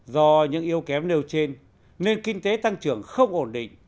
do những yếu kém nêu trên nên kinh tế tăng trưởng không ổn định